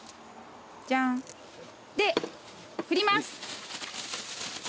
じゃん。で振ります。